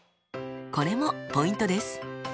これもポイントです。